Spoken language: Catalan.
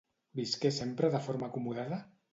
Visqué sempre de forma acomodada?